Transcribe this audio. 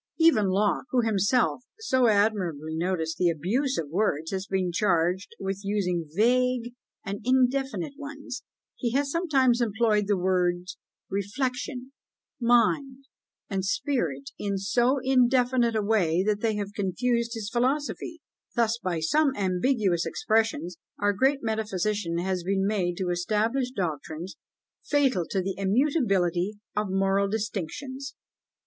Even Locke, who has himself so admirably noticed the "abuse of words," has been charged with using vague and indefinite ones; he has sometimes employed the words reflection, mind, and spirit in so indefinite a way, that they have confused his philosophy: thus by some ambiguous expressions, our great metaphysician has been made to establish doctrines fatal to the immutability of moral distinctions.